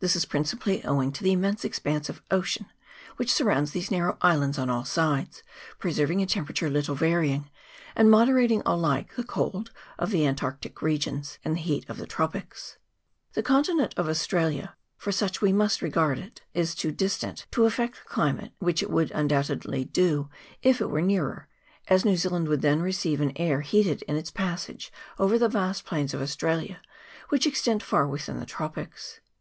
This is principally owing to the immense expanse of ocean which surrounds these narrow islands on all sides, preserving a tem perature little varying, and moderating alike the cold of the antarctic regions and the heat of the tropics. The continent of Australia for as such we must regard it is too distant to affect the cli mate, whi^h it would undoubtedly do if it were nearer, as New Zealand would then receive an air heated in its passage over the vast plains of Aus tralia, which extend far within the tropics.